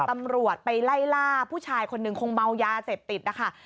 ตำรวจไปไล่ล่าผู้ชายคนหนึ่งคงเมายาเสพติดนะคะ